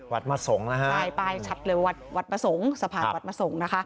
วัดมะสงฆ์นะฮะใช่ป้ายชัดเลยวัดวัดประสงค์สะพานวัดมาส่งนะคะ